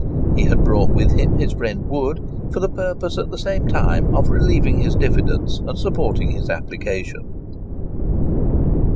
He had brought with him his friend Wood, for the purpose at the same time of relieving his diffidence, and supporting his application.